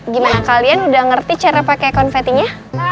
gimana kalian udah ngerti cara pakai konfetinya